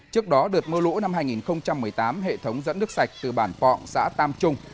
trước đó đợt mưa lũ năm hai nghìn một mươi tám hệ thống dẫn nước sạch từ bản pọng xã tam trung